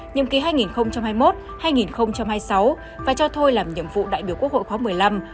nhiệm kỳ hai nghìn hai mươi một hai nghìn hai mươi sáu và cho thôi làm nhiệm vụ đại biểu quốc hội khóa một mươi năm